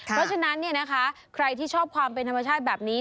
เพราะฉะนั้นใครที่ชอบความเป็นธรรมชาติแบบนี้